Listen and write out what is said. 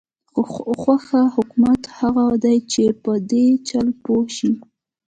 خو ښه حکومت هغه دی چې په دې چل پوه شي.